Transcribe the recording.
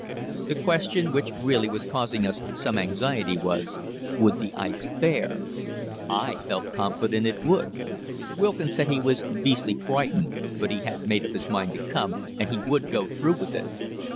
The question which really was causing us some anxiety was, "Would the ice bear?" I felt confident it would. Wilkin said he was beastily frightened, but he had made up his mind to come and he would go through with it.